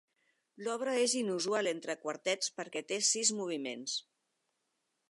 L'obra és inusual entre quartets, perquè té sis moviments.